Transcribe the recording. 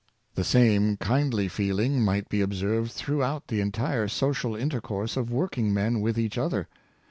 The same kindly feeling might be observed through out the entire social intercourse of working men with each other.